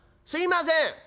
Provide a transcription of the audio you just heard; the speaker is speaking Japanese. すいません」。